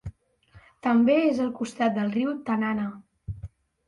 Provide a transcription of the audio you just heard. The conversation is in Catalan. També és al costat del riu Tanana.